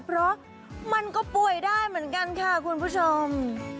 เพราะมันก็ป่วยได้เหมือนกันค่ะคุณผู้ชม